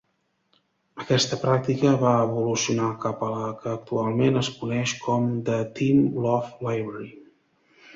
Aquesta pràctica va evolucionar cap a la que actualment es coneix com The Team Love Library.